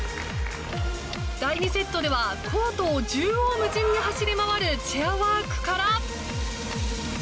第２セットではコートを縦横無尽に走り回るチェアワークから。